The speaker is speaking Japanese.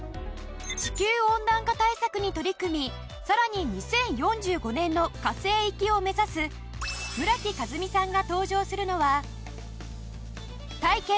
地球温暖化対策に取り組みさらに２０４５年の火星行きを目指す村木風海さんが登場するのは「体験！